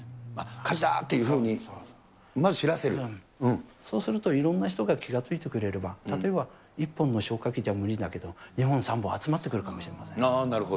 火事だーっていうふうに、そうすると、いろんな人が気がついてくれれば、例えば、一本の消火器じゃ無理だけど、２本、３本集まってくるかもしれなるほど。